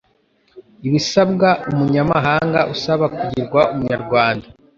Ibisabwa umunyamahanga usaba kugirwa Umunyarwanda